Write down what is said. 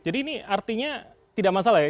jadi ini artinya tidak masalah ya